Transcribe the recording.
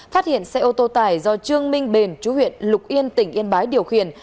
phát hiện xe ô tô tải do trương minh bền chú huyện lục yên tỉnh yên bái điều khiển